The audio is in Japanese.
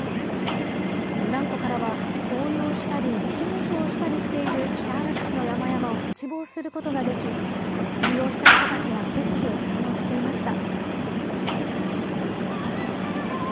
ブランコからは紅葉したり雪化粧したりしている北アルプスの山々を一望することができ、利用した人たちは景色を堪能していました。